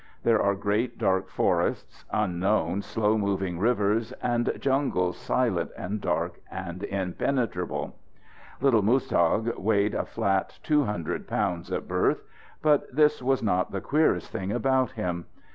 There are great dark forests, unknown, slow moving rivers, and jungles silent and dark and impenetrable. Little Muztagh weighed a flat two hundred pounds at birth. But this was not the queerest thing about him.